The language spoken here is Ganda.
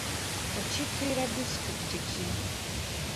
Okiikirira disitulikiti ki?